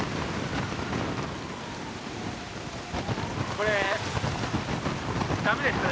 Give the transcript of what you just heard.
これダメですよね。